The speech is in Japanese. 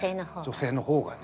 女性のほうがね。